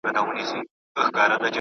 خدیجې خپله لور په مینه په تندي ښکل کړه.